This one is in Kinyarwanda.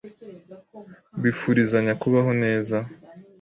wifurizanya kubaho neza